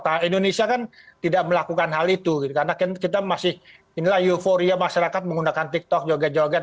nah indonesia kan tidak melakukan hal itu karena kita masih inilah euforia masyarakat menggunakan tiktok joget joget